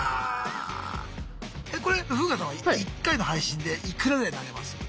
これフーガさんは１回の配信でいくらぐらい投げます？